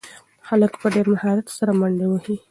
هلک په ډېر مهارت سره منډې وهي.